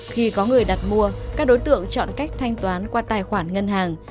khi có người đặt mua các đối tượng chọn cách thanh toán qua tài khoản ngân hàng